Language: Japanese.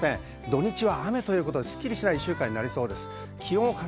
土日は雨で、すっきりしない１週間になりそうです。